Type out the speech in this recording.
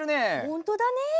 ほんとだね！